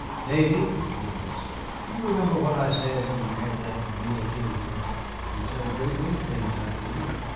"Davy," he asked, "do you remember what I said when you had that miniature here?" "You said a great many things, I believe."